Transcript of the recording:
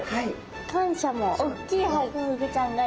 感謝もおっきいハコフグちゃんがいる。